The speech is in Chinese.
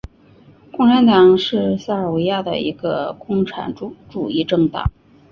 共产党是塞尔维亚的一个共产主义政党。